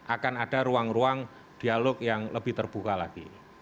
akan ada ruang ruang dialog yang lebih terbuka lagi